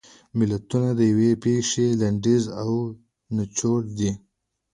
متلونه د یوې پېښې لنډیز او نچوړ دي